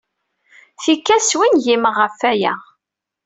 Tikkal, swingimeɣ ɣef waya.